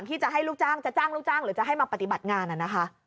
ที่จะให้ลูกจ้างจะจ้างลูกจ้างหรือจะให้มาปฏิบัติงานนะคะ